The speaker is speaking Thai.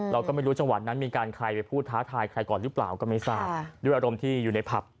เราก็ไม่รู้จังหวัดนั้นมีไปพูดท้าทายใครก่อนหรือเปล่ากะเมษา